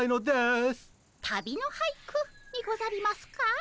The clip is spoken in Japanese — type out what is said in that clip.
旅の俳句にござりますか？